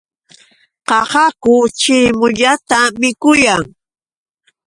Qaqaku chirimuyata mikuyan.